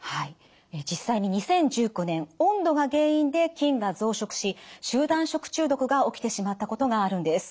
実際に２０１９年温度が原因で菌が増殖し集団食中毒が起きてしまったことがあるんです。